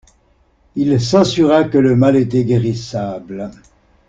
Il s'assura que le mal était guérissable.